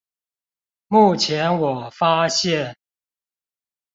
目前我發現